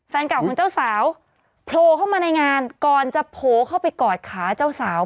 แฟนเก่าของเจ้าสาวโผล่เข้ามาในงานก่อนจะโผล่เข้าไปกอดขาเจ้าสาว